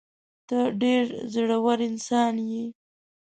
ته ډېر زړه ور انسان یې.